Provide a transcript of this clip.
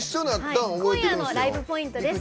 今夜のライブポイントです。